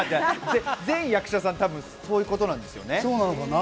全役者さん、多分そういうことですよね。